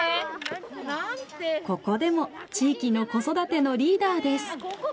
ここでも地域の子育てのリーダーです。